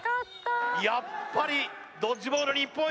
やっぱりドッジボール日本一